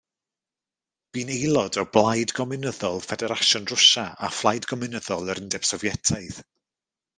Bu'n aelod o Blaid Gomiwnyddol Ffederasiwn Rwsia a Phlaid Gomiwnyddol yr Undeb Sofietaidd.